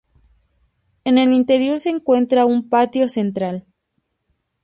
En el interior se encuentra un patio central.